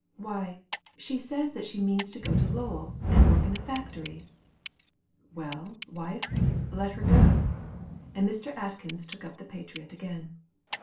"Why, she says that she means to go to Lowell, and work in the factory." "Well, wife, let her go;" and Mr. Atkins took up the Patriot again.